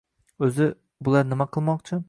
— O’zi, bular nima qilmoqchi?